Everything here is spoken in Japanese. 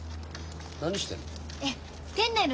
何してんの？